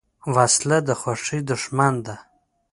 وسله د خوښۍ دښمن ده